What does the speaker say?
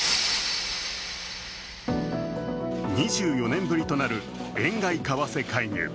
２４年ぶりとなる円買い為替介入。